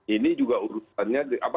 ini juga urutannya